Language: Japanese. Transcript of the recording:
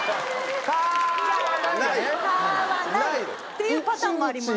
ていうパターンもあります